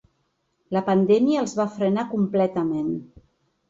La pandèmia els va frenar completament.